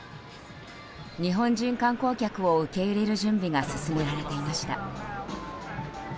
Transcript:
日本人観光客を受け入れる準備が進められていました。